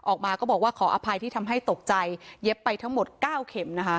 ออกมาก็บอกว่าขออภัยที่ทำให้ตกใจเย็บไปทั้งหมด๙เข็มนะคะ